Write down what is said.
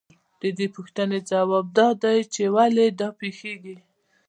د دې پوښتنې ځواب دا دی چې ولې دا پېښېږي